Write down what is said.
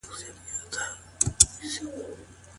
مشرانو وویل چي پښتو د غیرت او پښتونولۍ نښه ده.